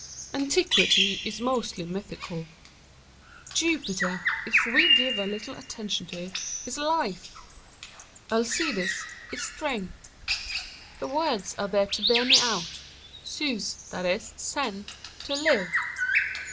Antiquity is mostly mythical. Jupiter, if we give a little attention to it, is life. Alcides is strength. The words are there to bear me out; Zeus, that is, zen, to live.